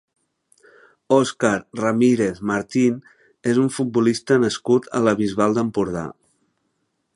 Óscar Ramírez Martín és un futbolista nascut a la Bisbal d'Empordà.